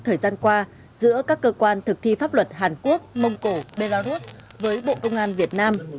thời gian qua giữa các cơ quan thực thi pháp luật hàn quốc mông cổ belarus với bộ công an việt nam